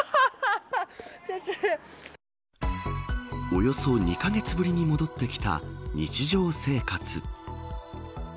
およそ２カ月ぶりに戻ってきた日常生活。